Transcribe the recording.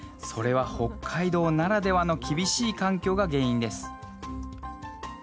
それは北海道ならではの厳しい環境が原因です。